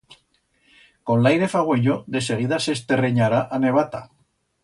Con l'aire fagüenyo de seguida s'esterrenyará a nevata.